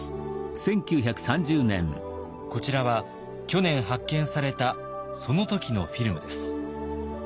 こちらは去年発見されたその時のフィルムです。